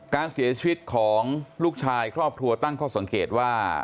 การเสียชีวิตของลูกชายครอบครัวตั้งข้อสังเกตว่า